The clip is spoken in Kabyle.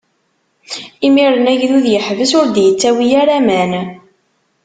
Imiren agdud iḥbes, ur d-ittawi ara aman.